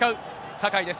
酒井です。